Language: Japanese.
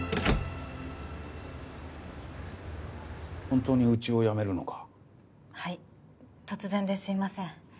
本当にうちを辞めるのかはい突然ですいません